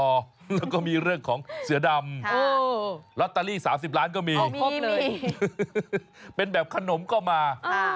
แล้วก็มีเรื่องของเสือดำ